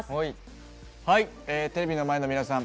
テレビの前の皆さん